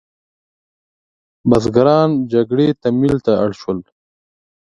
بزګران جګړې تمویل ته اړ شول.